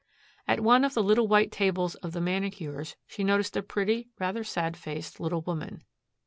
At one of the little white tables of the manicures she noticed a pretty, rather sad faced little woman.